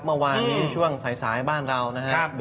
เมื่อวานนี้ช่วงสายบ้านเรานะครับ